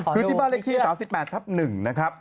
คือที่บาริเคลีย๓๘ทัพ๑